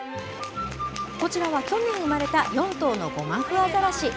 こちらは去年生まれた４頭のゴマフアザラシ。